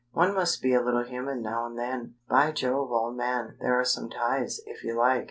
"One must be a little human now and then. By Jove, old man, there are some ties, if you like!